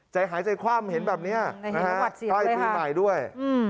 ใจหายใจความเห็นแบบเนี่ยก็ให้ปีใหม่ด้วย